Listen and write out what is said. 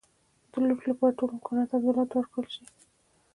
د لوټ لپاره ټول امکانات عبدالله ته ورکړل شي.